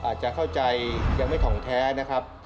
อาจจะเข้าใจยังไม่ถ่องแท้นะครับ